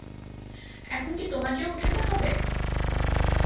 এখন কি তোমাকেও উঠাতে হবে?